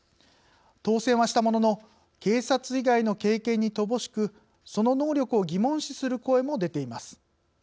当選はしたものの警察以外の経験に乏しくその能力を疑問視する声も出ています。